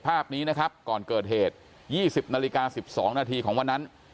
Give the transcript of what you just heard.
ภาพนี้นะครับก่อนเกิดเหตุ๒๐นาฬิกา๑๒นาทีของวันนั้น